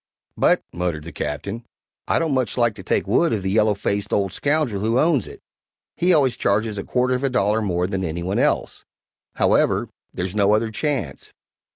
"But," muttered the Captain, "I don't much like to take wood of the yellow faced old scoundrel who owns it he always charges a quarter of a dollar more than any one else; however, there's no other chance."